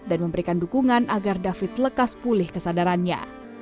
memberikan dukungan agar david lekas pulih kesadarannya